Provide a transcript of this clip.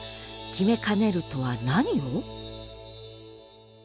「決めかねる」とは何を？